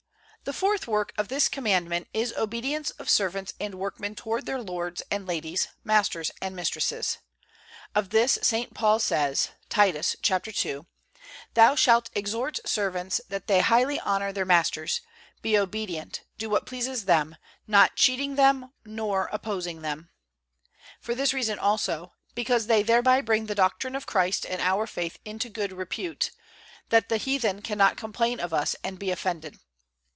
The fourth work of this Commandment is obedience of servants and workmen toward their lords and ladies, masters and mistresses. Of this St. Paul says, Titus ii: "Thou shalt exhort servants that they highly honor their masters, be obedient, do what pleases them, not cheating them nor opposing them"; for this reason also: because they thereby bring the doctrine of Christ and our faith into good repute, that the heathen cannot complain of us and be offended.